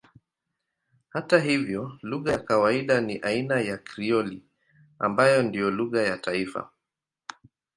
Hata hivyo lugha ya kawaida ni aina ya Krioli ambayo ndiyo lugha ya taifa.